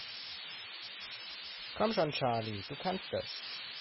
Komm schon, Charlie, du kannst das!